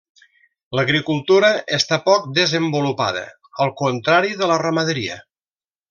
L'agricultura està poc desenvolupada, al contrari de la ramaderia.